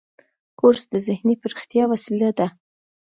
کورس د ذهني پراختیا وسیله ده.